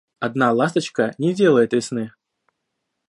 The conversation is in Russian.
Одна ласточка не делает весны.